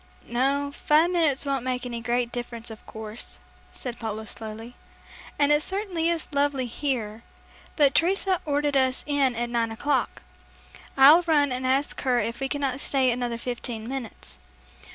"No, five minutes won't make any great difference, of course," said Paula slowly, "and it certainly is lovely here, but Teresa ordered us in at nine o'clock. I'll run and ask her if we cannot stay another fifteen minutes."